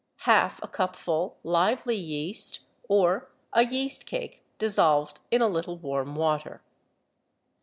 Half a cupful lively yeast, or a yeast cake dissolved in a little warm water.